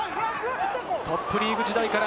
トップリーグ時代から。